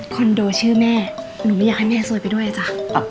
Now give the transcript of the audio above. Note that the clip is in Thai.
โดชื่อแม่หนูไม่อยากให้แม่ซวยไปด้วยจ้ะ